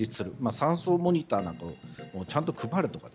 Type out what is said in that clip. ３層モニターなんかをちゃんと配るとか。